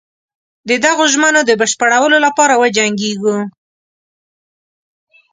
د دغو ژمنو د بشپړولو لپاره وجنګیږو.